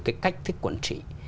cái cách thích quản trị